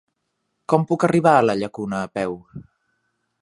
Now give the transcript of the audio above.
Com puc arribar a la Llacuna a peu?